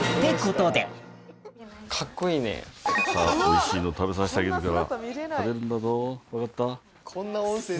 さぁおいしいの食べさせてあげるから。